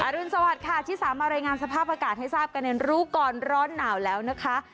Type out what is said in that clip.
รุนสวัสดิ์ค่ะที่สามารถรายงานสภาพอากาศให้ทราบกันในรู้ก่อนร้อนหนาวแล้วนะคะ